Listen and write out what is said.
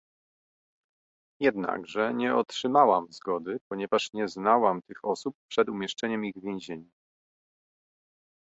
Jednakże nie otrzymałam zgody, ponieważ nie znałam tych osób przed umieszczeniem ich w więzieniu